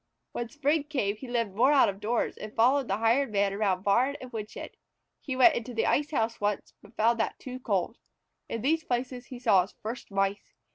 When spring came he lived more out of doors, and followed the Hired Man around barn and woodshed. He went into the ice house once, but found that too cold. In these places he saw his first Mice.